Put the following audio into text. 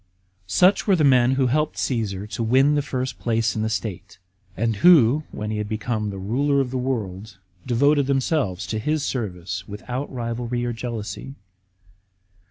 Such were the men who helped Caasar to win the first place in the state ; and who, when he had become the ruler of the world, devoted themselves to his service without rivalry or jealousy.